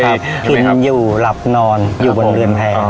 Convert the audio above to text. กินอยู่หลับนอนอยู่บนเรือนแพร